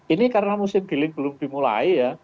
ini karena musim giling belum dimulai ya